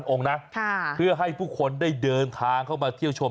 องค์นะเพื่อให้ผู้คนได้เดินทางเข้ามาเที่ยวชม